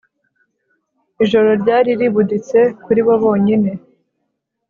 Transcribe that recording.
ijoro ryari ribuditse kuri bo bonyine